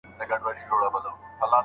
تیارې به ورکي سي.